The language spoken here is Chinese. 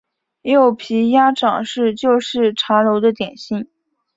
柚皮鸭掌是旧式茶楼的点心。